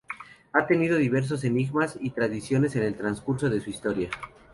Ha tenido diversos enigmas y tradiciones en el transcurso de su historia.